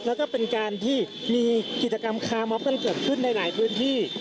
แล้วก็เป็นการที่มีกิจกรรมคาร์มอฟกันเกิดขึ้นในหลายพื้นที่